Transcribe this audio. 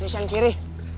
sialan si sean kiri